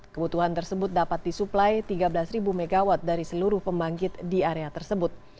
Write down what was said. kebutuhan tersebut dapat disuplai tiga belas mw dari seluruh pembangkit di area tersebut